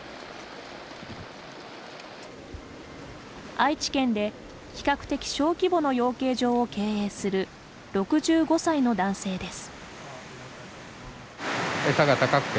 愛知県で、比較的小規模の養鶏場を経営する６５歳の男性です。